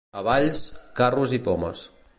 A Valls, carros i pomes.